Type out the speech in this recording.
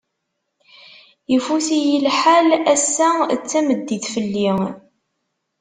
Ifut-iyi lḥal, assa d tameddit fell-i.